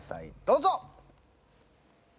どうぞ！